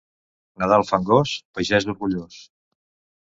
Nadal fangós, pagès orgullós.